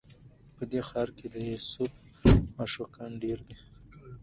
په دې ښار کي د یوسف عاشقان ډیر دي